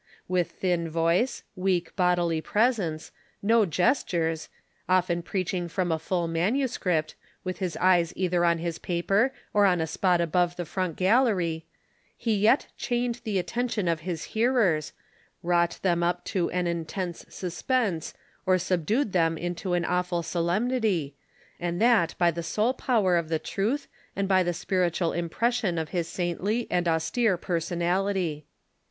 With thin voice, weak bodily presence, no gestures, often preaching from a full manuscript, with his eyes either on his paper or on a spot above the front gallery, he yet chained the attention of his hearers, wrought them up to an intense suspense, or subdued them into an awful solemnity, and that by the sole power of the truth and by the spiritual impression of his saintly and austere per sonality.